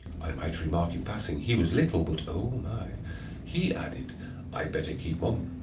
(I might remark, in passing, he Was little, but O My!) He added: "I'd better keep mum."